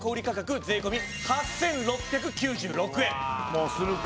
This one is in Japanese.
まあするか。